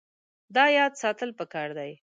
دا یاد ساتل پکار دي.